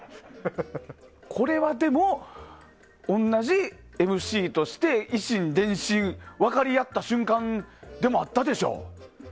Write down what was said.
これは、でも同じＭＣとして以心伝心、分かり合った瞬間でもあったでしょう。